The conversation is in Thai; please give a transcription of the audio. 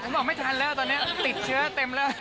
ผมบอกไม่ทันแล้วตอนนี้ติดเชื้อเต็มแล้ว